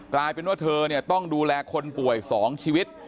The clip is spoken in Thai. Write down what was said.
กลายเป็นว่าเธอต้องดูแลคนป่วย๒ชีวิต